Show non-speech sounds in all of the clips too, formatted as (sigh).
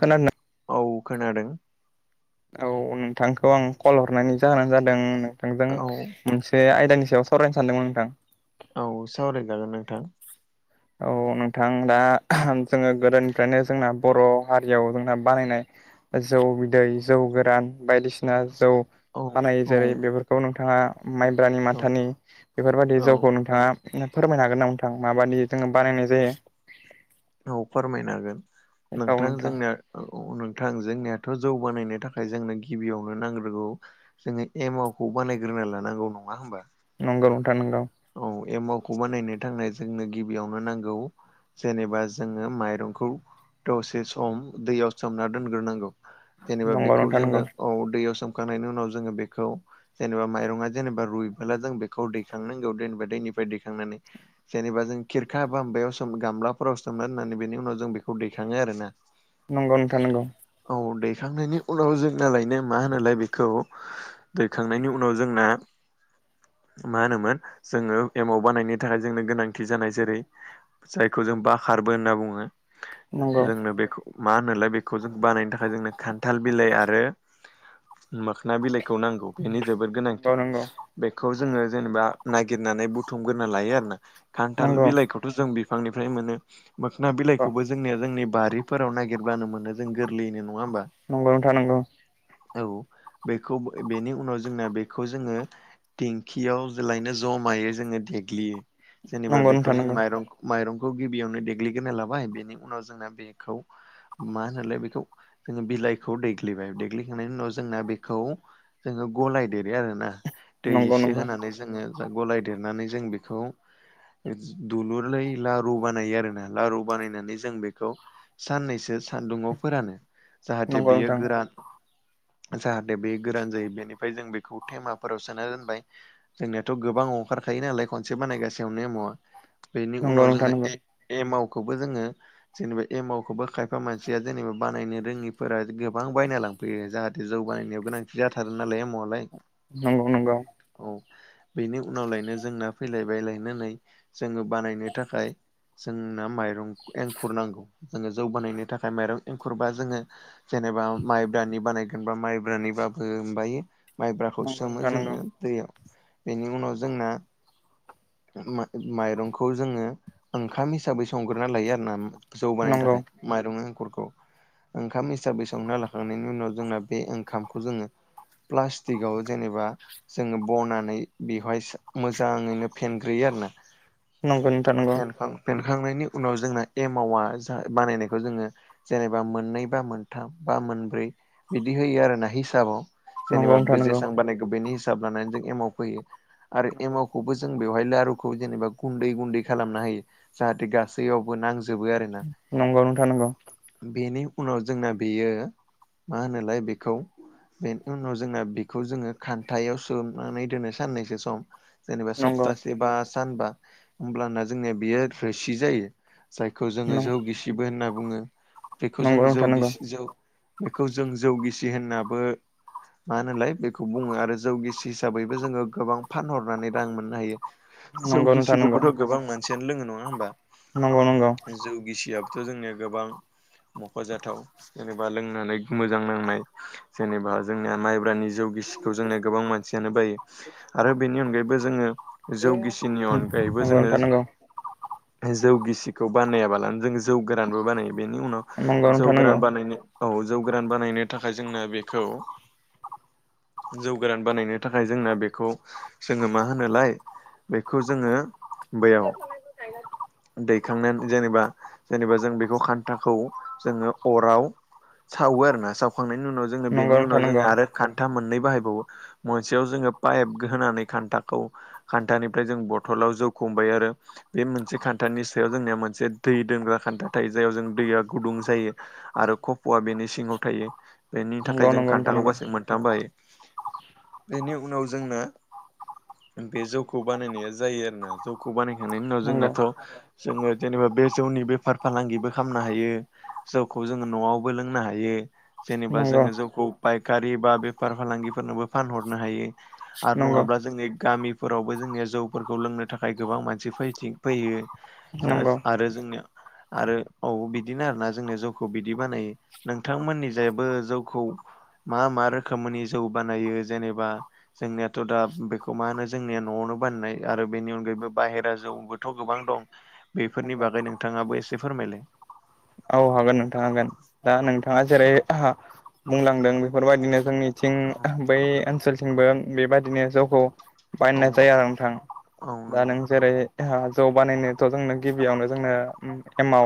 खोनादों औ खोनादों औ नोंथांखौ आं कल हरनायनि जाहोनानो जादों नोंथांजों औ मोनसे आयदानि सायाव सरायनो सानदोंमोन नोंथां औ सावरायजागोन नोंथां औ नोंथां दा जोङो गोदोनिफ्रायनो जोंना बर' हारियाव जोंना बानायनाय जौ बिदै जौ गोरान बायदिसिना सिना जौ औ बानायो औ जेरै बेफोरखौ नोंथाङा माइब्रानि औ माथानि बेफोरबायदि औ जौखौ नोंथाङा फोरमायनो हागोन नामा नोंथां माबादि जोङो बानायनाय जायो? औ फोरमायनो हागोन नोंथां जोंनिया औ नोंथां जोंनियाथ' जौगानायनो थाखाय जोंनो गिबियावनो नांग्रोगौ जोङो एमावखौ बानायग्रोना लानांगौ नङा होमबा नंगौ नोंथां नंगौ औ एमावखौ बानायनो थांनाय जोंनो गिबियावनो नांगौ जेनेबा जोङो माइरंखौ दसे सम दैयाव सोमना दोनग्रोनांगौ जेनेबा नंगौ बेखौ नोंथां जोङो नंगौ औ दैयाव सोम खांनायनि उनाव जोङो बेखौ जेनेबा माइरङा जेनेबा रुइबोला जों बेखौ दैखांनांगौ दैनिफ्राय दैखांनानै जेनेबा जों खिरखा बा माबायाव सोम गामलाफोराव सोमना दोननानै बेनि उनाव जों बेखौ दैखाङो आरोना नंगौ नोंथां नंगौ। औ दैखांनायनि उनाव जोंना लायनो मा होनलाय बेखौ दैखांनायनि उनाव जोंना मा होनोमोन जोङो एमाव बानायनो थाखाय जोंनो गोनांथि जानाय जेरै जायखौ जों बाखारबो होनना बुङो नंगौ जोंनो बेखौ मा होनोलाय बेखौ जों बानायनो थाखाय जोंनो खान्थाल बिलाइ आरो मोखोना बिलाइखौ नांगौ। बेनि जोबोद गोनांथि नंगौ नंगौ बेखौ जोङो जेनेबा नागिरनानै बुथुमग्रोना लायो आरो ना खान्थाल नंगौ बिलाइखौथ' जों बिफांनिफ्राय मोनो मोखोना बिलाइखौबो जोंनिया जोंनि बारिफोराव नागिरब्लानो मोनो जों गोरलैयैनो नङा होमबा नंगौ नोंथां नंगौ। औ बेखौ बेनि उनाव जोंना बेखौ जोङो देंखियाव बेलायनो जमायैनो जोङो देग्लियो जेनेबा नंगौ बेखौ नोंथां जों नंगौ माइरं माइरं खौ गिबियावनो देग्लिग्रोना लाबाय बेनि उनाव जोंना बेखौ मा होनोलाय बेखौ जोङो बिलाइखौ देग्लिबाय देग्लिखांनायनि उनाव जोंना बेखौ जोङो गलाय देरो आरोना दै नंगौ एसे नंगौ होनानै जोङो दा गलाय देरनानै जों बेखौ दुलुरै लारु बानायो आरोना लारु बानायनानै जों बेखौ साननैसो सानदुङाव फोरानो। जाहाथे नंगौ बियो नोंथां गोरान जाहाथे बे गोरान जायो बेनिफ्राय जों बेखौ थेमाफोराव सोना दोनबाय। जोंनियाथ' गोबां ओंखारखायो नालाय खनसे बानायगासियावनो एमावा। बेनि नंगौ उनाव नोंथां जोंना नंगौ ए एमाव खौबो जोङो जेनेबा एमाव खौबो खायफा मानसिया जेनेबा बानायनो रोङैफोरा गोबां बायना लांफैयो जाहाथे जौ बानायनायाव गोनांथि जाथारो नालाय एमावालाय। नंगौ नंगौ औ बेनि उनावलायनो जोंना फैलाय बायलायनानै नै जोङो बानायनो थाखाय जोंनो माइरं एंखुर नांगौ जोङो जौ बानायनो थाखाय माइरं एंखुरबा जोङो जेनेबा माइब्रानि बानायगोन बा माइब्रानिबाबो माबायो। माइब्राखौ सोमो जोङो दैयाव बेनि उनाव जोंना माइरंखौ जोङो ओंखाम हिसाबै संगोरोना लायो आरो ना। जौ बानायनो थाखाय माइरं‌ एंखुर ओंखाम हिसाबै संना लाखांनायनि उनाव जोंना बे ओंखामखौ जोङो प्लास्टिकआव जेनेबा जोङो बनानै बेवहाय मोजाङैनो फेनग्रोयो आरो ना। नंगौ नोंथां नंगौ खांनायनि उनाव जोंना एमावा बानायनायखौ जोङो जेनेबा मोननै बा मोनथाम बा मोनब्रै बिदि होयो आरोना हिसाबाव नंगौ जेनेबा बे नंगौ जेसां बानायखो बेनि हिसाब लानानै जों एमाव फोनो आरो एमावखौबो जों नों बेयावलाय आरो जेनेबा गुनदै गुनदै खालामना होयो जाहाथे गासैयावबो नांजो जोबो आरोना नोंथां नंगौ नोंथां नंगौ बेनि उनाव जोंना बेयो मा होनोलाय बेखौ बेनि उनाव जोंना बेखौ जोङो खान्थायाव सोम नानै दोनो साननैसो सम जेनेबा सप्तासे बा सानबा होमब्लाना जोंनिया बियो रोसि जायो जायखौ जोङो जौ नंगौ गिसिबो होनना बुंङो बेखौ जों जौ नोंथां नंगौ बेखौ जों जौगिसि होननाबो मा होनलाय बेखौ बुंङो आरो जौ गिसि बै हिसाबैबो जोंङो गोबां फानहरनानै रां मोननो हायो जौ नंगौ नंगौ नोंथां गिसिखौबोथ' गोबां मोन मोनसेनो लो नंङा होनबा? नंगौ नंगौ थ' जोंनिया गोबां मख'जाथाव जेनेबा लोंनानै मोजां नांनाय जेनेबा जोंनिया माइब्रानि जौ गिसिखौ जोंनो गोबां मानसियानो बायो आरो बेनि अनगायैबो जोंङो जौगिसिनि अनगायैबो जोंङो नोंथां नंगौ नंगौ जौगिसिखौ बानाया नानै जों जौ गोरानबो बानायो बेनि उनाव जौ गोरान बानायनो औ जौ गोरान बानायनो थाखाय जोंना बेखौ जौ गोरान बानायनो थाखाय जोंना बेखौ जोंङो मा होनोलाय बेखौ जोंङो बैयाव (unintelligible) दैखांनानै जेनेबा जेनेबा जों बेखौ खान्थाखौ जोंङो अराव सावो आरोोना सावखांनायनि उनाव जोङो बेनि उनाव जोंङो आरो खान्था मोननै बाहायबावो। मोनसेयाव जोंङो पाइप होनानै खान्थाखौ खान्थानिफ्राय जों बथलाव जौ खुंबाय आरो बे मोनसे खान्थानि सायाव जोंनिया मोनसे दै दोनग्रा खान्था थायो जाययाव जों दैया गुदुं जायो। आरो कफ'आ बेनि सिङाव थायो बेनि नंगौ नोंथां नंगौ नोंथां नंगौ थाखाय जों नोंथां खान्थाखौ नंगौ गासै मोनथाम बायो। बेनि उनाव जोंनो बे जौखौ बानायनाया जायो आरोना। जौखौ बानाय होननि उनाव नंगौ जोंनाथ' जोंङो जेनेबा बे जौनि बेफार फालांगिबो खालामनो हायो जौखौ जोंङो न'आवबो लोंनो हायो। नंगौ नोंथां नंगौ जेनेबा जोंङो जोंखौ फायखारि बा बेफार फालांगिफोरनोबो फानहरनो हायो। आरो नंङाब्ला जोंनि गामि फोरावबो जोंनिया जौफोरखौ लोंनो थाखाय गोबां मानसि फथि फैयो। नंगौ नंगौ आरो जोंनिया आरो औ बिदिनो आरोोना जों जौखौ बिदि बानायो नोंथांमोननि जायबो जौखौ मा मा रोखोमनि जौ बानायो जेनेबा जोंनियाथ' दा बेखौ मा होनो जोंनिया न'आवनो बाननाय आरो बेनि अनगायैबो बाहेरा जौ थ' गोबां दं बेफोरनि नंगौ बागै नोंथाङाबो एसे फोरमायलाय औ हागोन नोंथांङा हागोन दा नोंथांङा जेरै बुंलांदों बेफोरबायदिनो जोंनि थिं औ बै ओनसोलथिंबो बेबादिनो जौखौ औ बायना जाया आरो नोंथां औ दा नंगौ नों जेरै जौ बानायनोथ' जोंनो गिबियावनो जोंनो एमाव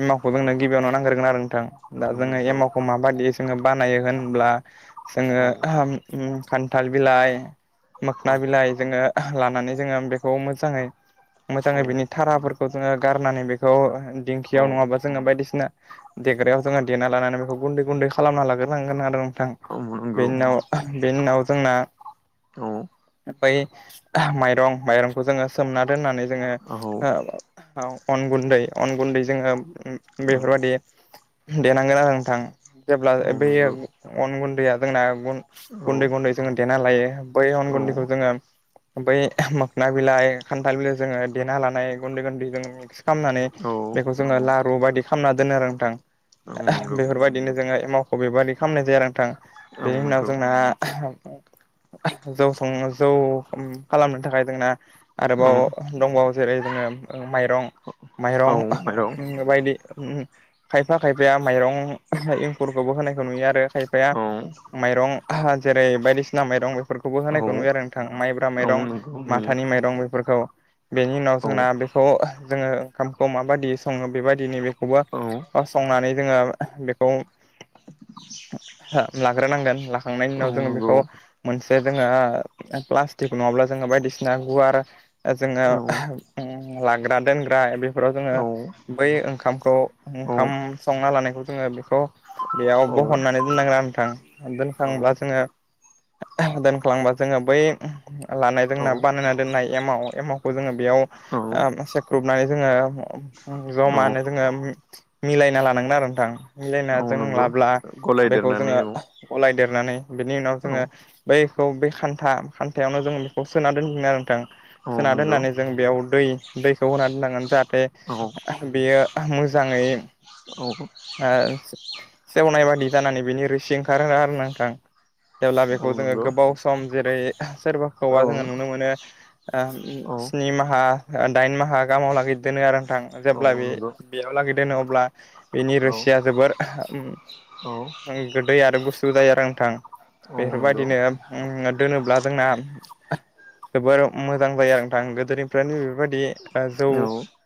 एमावखौ औ जोंनो गिबियावनो नांग्रोगोन आरो नोंथां औ दा जोंङो नंगौ एमावखौ माबायदि जोंङो बानायो होनब्ला जोंङो औ ओम खान्थाल बिलाइ औ मोखना बिलाइ जोंङो लानानै जोंङो बेखौ मोजाङै मोजांङै बिनि औ थाराफोरखौ जोंङो गारनानै बेखौ औ दिंखियाव नंङाबा जोङो बायदिसि बिसिना देग्रायाव जोंङाहा देना लानानै बेखौ गुन्दै गुन्दै खालामना लाग्रांगोन आरो औ नंगौ बेनि उनाव बेनि उनाव जोंना औ बै माइरं माइरंखौ जोंङो सोमना दोननानै औ उन गुनदै औ बेफोरबायदि देनांगोन आरो नोंथां जेब्ला औ बेैयो नंगौ अन गन्दै दैया जोंना औ गुन्दै गुन्दै जोंङो देना लायो बै अन औ गुन्दैखौ जोंङो बै मोखना बिलाइ खान्थाल बिलाइ जोंङो देना लानाय गुन्दै गुन्दै जोंङो मिक्स खालामनानै बेखौ जोंङो लारु बायदि खालामना दोनो आरो नोंथां औ नंगौ बेफोरबायदिनो जोंङो मावख' बेबायदि खालामनाय जाया नोंथां औ बेनि उनाव नंगौ जोंना जौ संनो जौ खालामनो थाखाय जोंना औ आरोबाव दंबावो जेरै जोंङो माइरं औ माइरं माइरं बायदि खायफा खायफाया माइरं एंखुरखौबो होनायखौ नुयो आरो खायफाया औ माइरं जेरै बायदिसिना माइरं बे फोरखौबो औ होनायखौ नुयो आरो नोंथां माइब्रा औ माइरं नंगौ नुयो माथानि माइरं बेफोरखौ बेनि उनाव औ जोंना बेखौ जोङो ओंखामखौ माबायदि सङो बेबायदिनो बेखौबो औ संनानै जोङो बेखौ लाग्रोनांगोन लाखांनायनि औ उनाव जोङो नंगौ बेखौ मोन जे जोङो प्लास्टिक नङाब्ला जोङो बायदिसिना गुवार ओ जोङो औ लाग्रा दोनग्रा बेफोराव जोङो औ बै ओंखामखौ औ ओंखाम संनानै खौ जोङो बेखौ बेयाव औ बहननानै दोननांगोन नोंथां औ दोनखांब्ला जोङो दोनखांबा जोङो बै लानाय औ जोंना बानायना दोननाय एमाव एमावखौ जोङो बेयाव ओ औ सेख्रुबनानै जोङो जमानो जोङो मिलायना लानांगोन आरो नोंथां मिलायना औ जों नंगौ लाब्ला बेखौ गलायदेरनानै जोङो औ गलायदेरनानै बिनि उनाव औ जोङो बैखौ बे खान्था खान्थायावनो जों बेखौ सोना दोनफिनो आरो नोंथां औ सोना नंगौ दोननानै जों बेयाव दै दैखौ होना दोननांगोन जाहाथे औ बेयो मोजाङै औ ओ सेवनाय बादि जानानै बिनि रोसि ओंखारो आरो नोंथां जेब्ला औ बेखौ जोङो नंगौ गोबाव सम जेरै औ सोरबाखौबा जोङो नुनो मोनो औ स्नि माहा दाइन माहा आंहा गोबावलागि‌ दोनो आरो नोंथां औ जेब्ला बे नंगौ बेयाव लागै दोनो अब्ला बेनि औ रोसिया जोबोर औ गोदै आरो गुसु जायो आरो नोंथां औ नंगौ बेफोरबायदिनो दोनोब्ला जोंना जोबोर मोजां जायो नोंथां गोदोनिफ्रायनो बेफोरबायदि जौ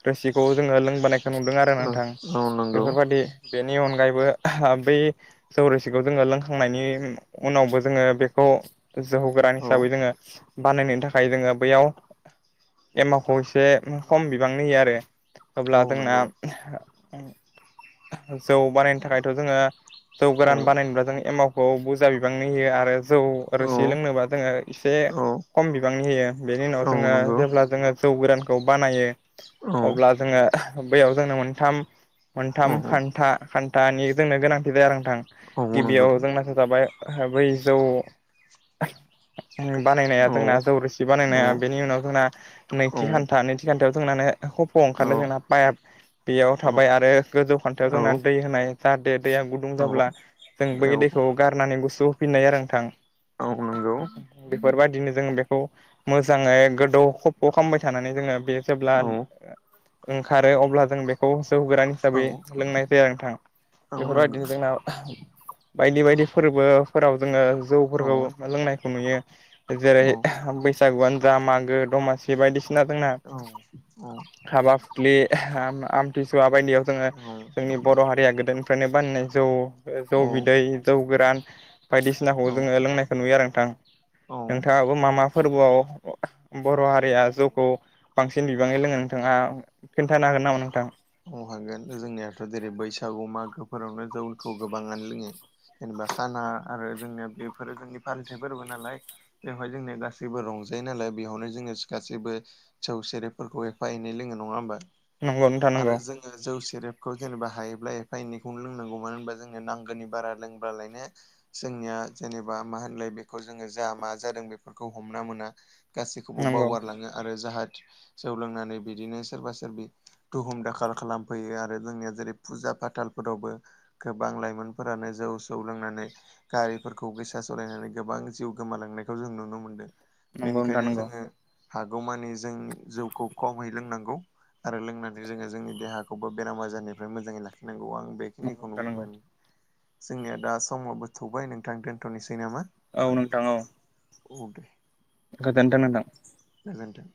रोसिखौ जोङो लोंबोनायखौ नुदों आरो औ नोंथां औ नंगौ औ नंगौ बेफोरबायदि बेनि अनगायैबो बै जौ रोसिखौ जोङो लोंखांनायनि उनावबो जोङो बेखौ जोहौ गोरान औ हिसाबै जोङो बानायनायनि थाखाय जोङो बैयाव एमावखौ एसे खम बिबांनि होयो आरो अब्ला औ जोंना नंगौ जौ बानायनो थाखायथ' जोङो जौ औ गोरान बानायनोब्ला जों एमावखौ बुरजा बिबांनि होयो आरो जौ आरो सि लोंनोबा जोङो एसे औ खम बिबांनि होयो बेनि उनाव औ जोङो नंगौ जेब्ला जोङो जौ गोरान खौ बानायो औ अब्ला जोङो बैयाव जोंनो मोनथाम औ मोनथाम औ खान्था खान्थानि जोंनो गोनां आरो नोंथां गिबियाव जोंनासो जाबाय बै जौ बानायनाया जोंना जौ औ रोसि औ नंगौ औ बानायनाया बेनि उनाव जोंना नैथि खान्था नैथि खान्थायाव जोंना नो खफ' ओंखारनाय जोंना पाइप बेयाव थाबाय आरो गोजौ खान्थायाव जोंना दै होनाय जाहाथे दैया गुदुं जाब्ला जों बै दैखौ गारनानै गुसु होफिननाय आरो नोंथां औ नंगौ बेफोरबायदिनो जों बेखौ मोजाङै गोदौ खफ' खालामबाय थानानै जोङो बे जेब्ला ओंखारो अब्ला जों बेखौ जौ गोरान औ हिसाबै लोंनाय जाया नोंथां औ नंगौ बेफोरबायदिनो जोंना बायदि बायदि फोरबोफोराव जोङो औ जौफोरखौ लोंनायखौ नुयो जेरै औ बै सागुआंनो जा मागो दमासि बायदिसिना जोंना औ हाबा बे आमथिसुवा बायदियाव जोङो औ जोंनि बर' हारिया गोदोनिफ्रायनो बानायनाय जौ जौ औ बिदै जौ गोरान बायदिसिनाखौ जोङो लोंनायखौ नुयो आरो नोंथां नोंथाङाबो मा मा फोरबोआव बर' हारिया जौखौ बांसिन बिबाङै लोङो नोंथाङा खिन्थानो हागोन नामा नोंथां औ हागोन जोंनियाथ' जेरै बैसागु मागोफोरावनो जौखौ गोबाङानो लोङो जेनेबा खाना आरो जोंनिया बेफोरो जोंनि फालिथाय फोरबो नालाय बेवहाय जोंनिया गासैबो रं रंजायो नालाय बेयावनो जोङो गासैबो जौ सेरेफोरखौ एफा एनै लोङो नङा होमबा नंगौ नोंथां आरो नंगौ जोङो जौ से सेरेबखौ जेनेबा हायोब्ला एफा एनैखौनो लोंनांगौ मानो होनबा जोंनो नांगौनि बारा लोंबालायनो जों जोंनिया जेनेबा मा होनलाय बेखौ जोङो जा मा जादों बेफोरखौ हमना मोना गासैखौबो नंगौ बावगारलाङो आरो जाहाथे जौ लोंनानै बिदिनो सोरबा सोरबि दुहुम दाखाल खालामफैयो आरो जोंनिया जेरै फुजा फाथालफोरावबो गोबां लाइमोनफोरानो जौ जौखौ लोंनानै गारिफोरखौ गोसा सालायनानै गोबां जिउ गोमालांनायखौ जों नुनो मोनदों नंगौ नोंथां बेनिखायनो नंगौ जोङो हागौमानि जों जौखौ खमै लोंनांगौ आरो लोंनानै जोङो जोंनि देहाखौबो बेराम आजारनिफ्राय मोजाङै लाखिनांगौ आं नंगौ बेखिनिखौनो नोंथां नंगौ बुंगोन जोंनिया दा समावाबो थौबाय नोंथां दोनथ'नोसै नामा औ नोंथां औ औ दे गोजोनथों नोंथां गोजोनथों